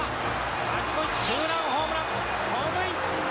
勝ち越しツーランホームラン、ホームイン。